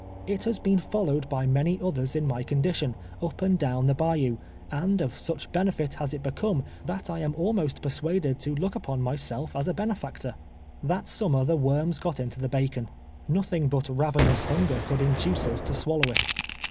It has been followed ])y many othei s in my condition, nj) and down the bayou, and of such bcnelit has it become that I am almost persuaded to look upon myself as a benefactor. That summer the worms got into the bacon. Xotliing but ravenous hunger could induce us to swallow it.